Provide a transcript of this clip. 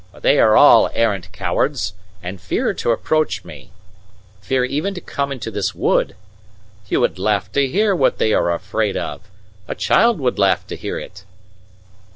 But they are all arrant cowards, and fear to approach me fear even to come into this wood. You would laugh to hear what they are afraid of a child would laugh to hear it!"